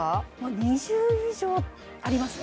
２０以上ありますね